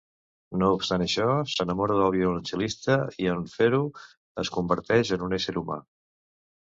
No obstant això, s'enamora del violoncel·lista i en fer-ho es converteix en un ésser humà.